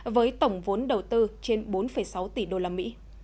với tổng vốn đầu tư trên bốn sáu tỷ usd